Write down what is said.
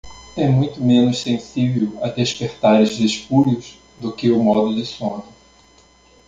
É muito menos sensível a despertares espúrios do que o modo de sono.